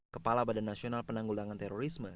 kepala badan nasional penanggulangan terorisme